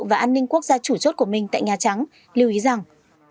và an ninh quốc gia chủ chốt của mình tại nhà trắng lưu ý rằng